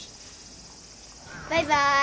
バイバイ。